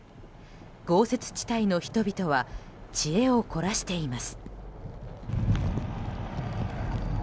豪雪地帯の人々は知恵を凝らしています。